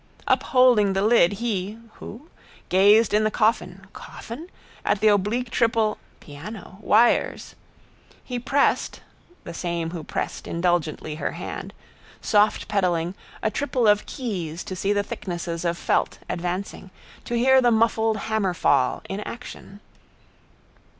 Upholding the lid he (who?) gazed in the coffin (coffin?) at the oblique triple (piano!) wires. He pressed (the same who pressed indulgently her hand), soft pedalling, a triple of keys to see the thicknesses of felt advancing, to hear the muffled hammerfall in action.